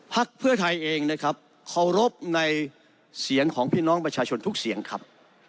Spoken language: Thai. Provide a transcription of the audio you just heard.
เพื่อไทยเองนะครับเคารพในเสียงของพี่น้องประชาชนทุกเสียงครับ